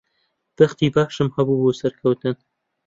بەختی باشم هەبوو بۆ سەرکەوتن.